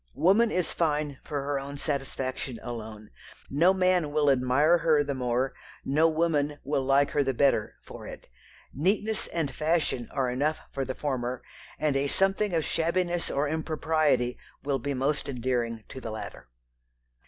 Woman is fine for her own satisfaction alone. No man will admire her the more, no woman will like her the better, for it. Neatness and fashion are enough for the former, and a something of shabbiness or impropriety will be most endearing to the latter."